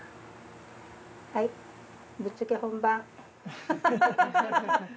はいぶっつけ本番。